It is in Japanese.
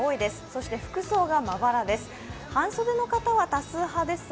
そして服装がまばらです。